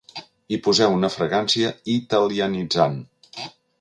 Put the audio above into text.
Hi poseu una fragància italianitzant.